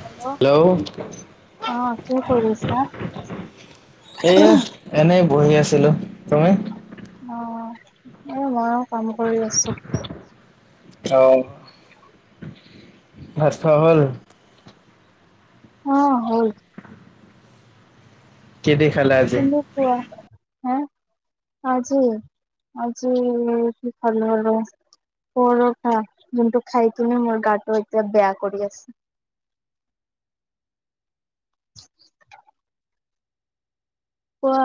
Hello অ কি কৰিছা এয়া এনেই বহি আছিলোঁ তুমি- অ এই ময়ো কাম কৰি আছো আ ভাত খোৱা হ'ল? অ হ'ল। কি দি খালা আজি? তুমি কোৱা হে আজি- আজি কি খালোঁ ৰহ পৰঠা। যোনটো খাই কিনে মোৰ গাটো এতিয়া বেয়া কৰি আছে। [inaudible] কোৱা।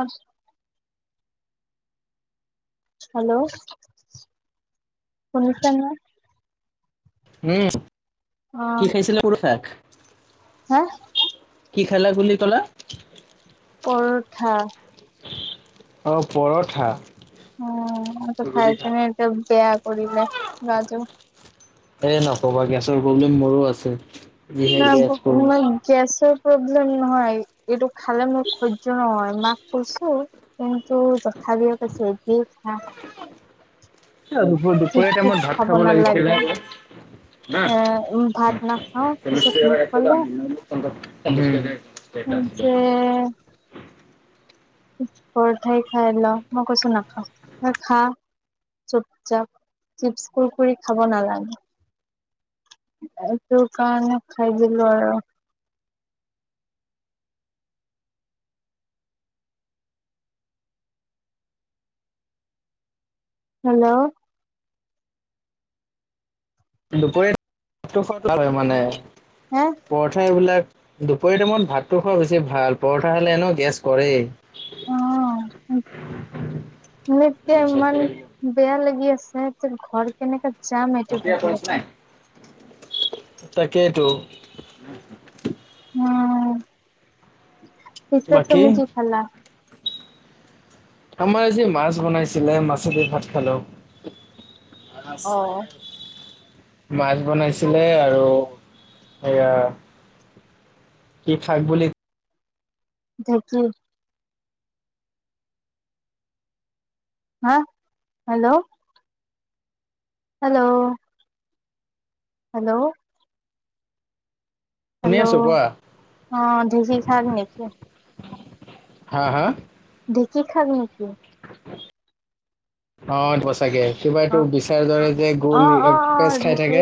হেল্ল' শুনিছা নহয়? উম। অ কি খাইছিলা? [unintelligible] [inaudible] [inaudible] কি খালা বুলি কলা? পৰঠা। অ পৰঠা। উম। এইটো খাইকেনে এতিয়া বেয়া কৰিলে গাটো। এ [unintelligible] প্ৰব্লেম মোৰো আছে। যিহে গেছ প্ৰব্লেম [unintelligible] গেছৰ প্ৰব্লেম নহয় ।এইটো খালে মোৰ সহ্য নহয়। মাক কৈছো কিন্তু তথাপিও কৈছে এইটোৱেই খা। দুপ চিপ দুপৰীয়া চিপ টাইমত ভাত খাব লাগিছিলে। নালাগে এ ভাত নাখাও পিছত মোক কলে যে [unintelligible] পৰঠাই খাই লওঁ। মই কৈছো নাখাও। নহয় খা চুপ চাপ চিপচ্, কুৰকুৰি খাব নালাগে। এইটো কাৰণে খাই দিলো আৰু। হেল্ল'। দুপৰীয়াত [unintelligible] মানে হে পৰঠা এইবিলাক দুপৰীয়া টাইমত ভাতটো খোৱা বেছি ভাল। পৰঠা খালে এনেও গেছ কৰেই। অ।' এতিয়া ইমান বেয়া লাগি আছে। সিহতৰ ঘৰ কেনেকা যাম এইটো ভাবি আছোঁ। তাকেইতো। উম, পিছে বাকী তুমি কি খালা? আমাৰ আজি মাছ বনাইছিলে। মাছেদি ভাত খালোঁ। মাছ অ', তেল। মাছ বনাইছিলে আৰু সেয়া । কি খাম বুলি। ঢেঁকী। অ হেল্লো। হেল্লো। হেল্লো। শুনি হেল্লো আছো কোৱা অ ঢেঁকীয়া শাক। হা হা । ঢেঁকীয়া খালি নেকি। অ সঁচাকে। কিবা এইটো অ', বিচাৰ দৰে যে গোল অ', অ', অ', পেচ খাই ঢেঁকীয়ে থাকে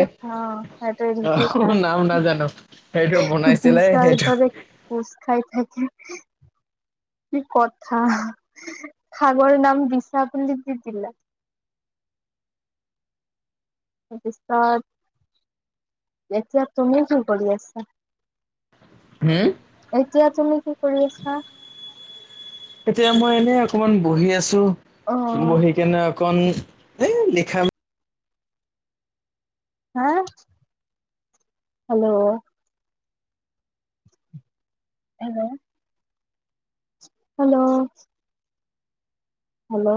সেইটোৱে ।অ ঢেঁকী শাক। হ নাম নাজানো সেইটো বনাইছিলে বিচাৰ সেইটো দৰে । কোচ খাই থাকে কি কথা শাকৰ নাম বিচা বুলি দি দিলা। তাৰ পিছত এতিয়া তুমি কি কৰি আছা। হম এতিয়া তুমি কি কৰি আছা। এতিয়া মই এনে অকমান বহি আছোঁ। অ', বহি কিনে অকন । এই লিখা মা। অঁ hello. Hello. Hello. Hello.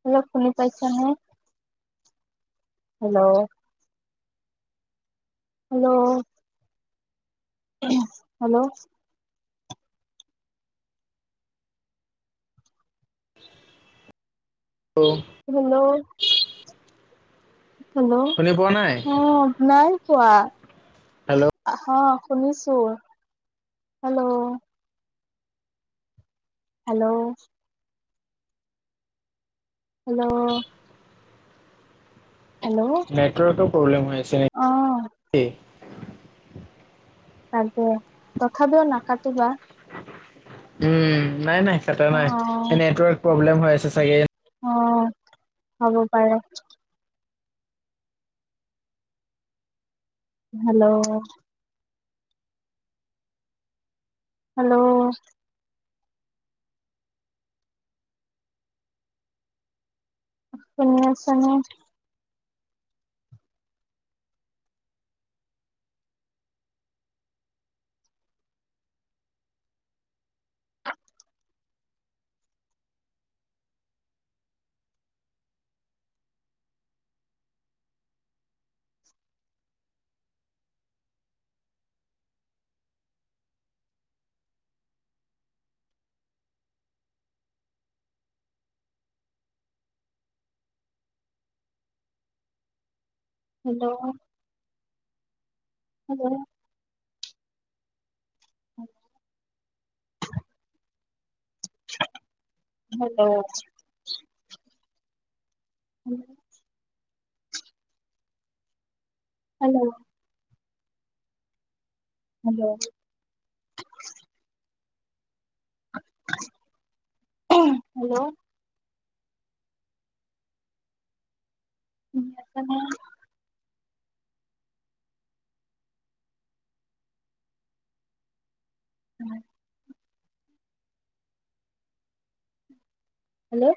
Hello শুনি পাইছানে? হেল্লো? হেল্লো? হেল্লো? অঁ। হেল্লো? হেল্লো'? শুনি পোৱা নাই অ আপোনাৰ--। কোৱা। হেল্ল' আঁহ। শুনিছো hello. Hello. Hello. Network problem হৈ আছেনে অ এই। তাকে তথাপিওঁ নাকাটিবা। উম্' নাই-নাই। কাটা অ নাই নেটৱৰ্ক প্ৰব্লেম। প্ৰব্লেম হৈ আছে চাগে। অ, হ'ব পাৰে--। হেল্ল'? হেল্ল'? শুনি আছে নে? হেল্ল'? হেল্ল'? হেল্ল'? উম। হ [unintelligible] হেল্ল'? হেল্ল'? [unintelligible] উম। হেল্ল'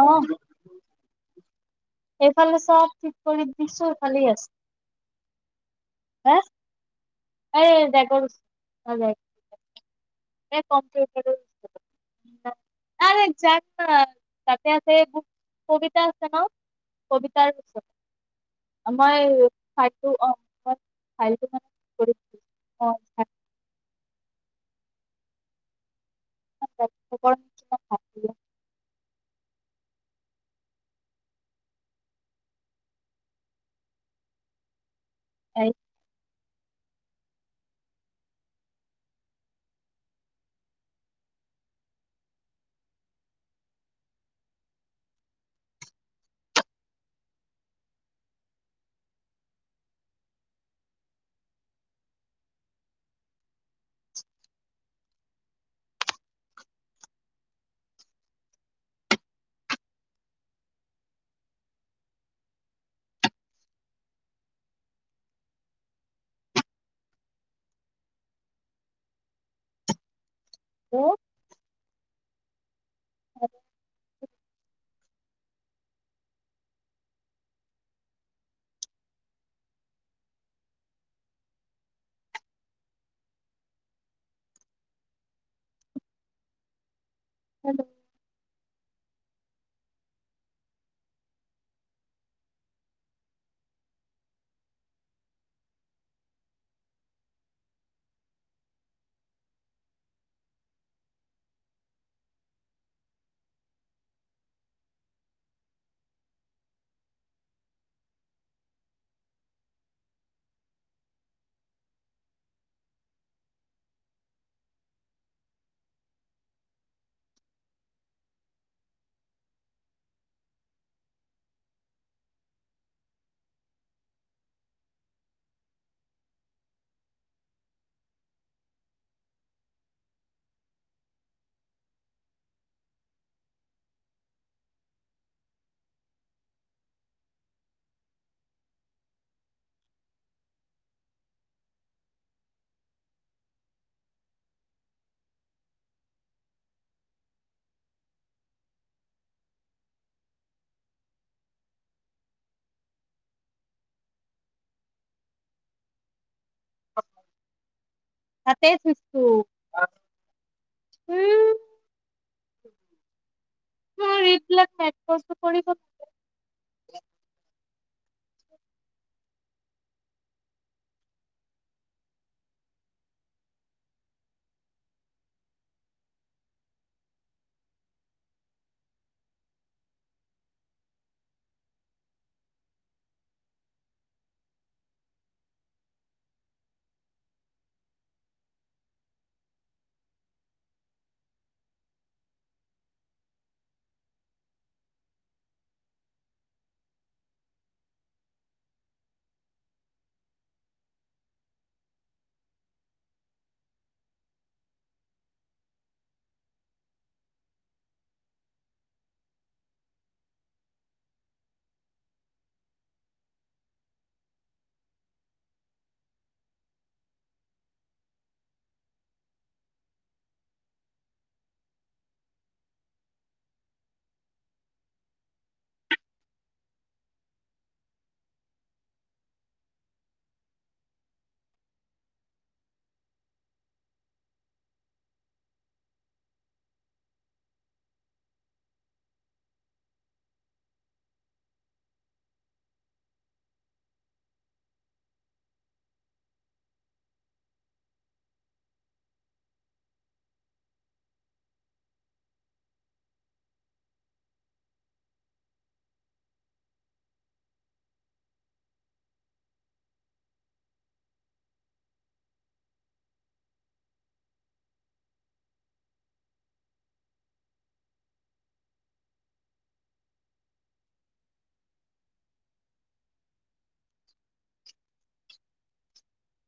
আহ। এইফালে চব ঠিক কৰি দৃশশফালেই আছে হা [unintelligible] এই দে অ দে [unintelligible] য তাতে আছে কবিতা আছে ন কবিতাৰ চ মইাই অ মইানে আহ [unintelligible] [unintelligible] স। [unintelligible] আহ। আৰু। হল [unintelligible] তাতে উ এইবিলাক কৰিব ল [unintelligible]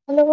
হেল্ল'।